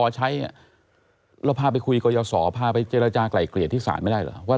ใช้เราพาไปคุยกับยาวสอบพาไปเจรจากรายเกลียดที่ศาลไม่ได้หรือ